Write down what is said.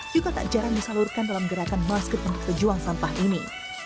juga tak jarang disalurkan dalam gerakan masker untuk pejuang sampah ini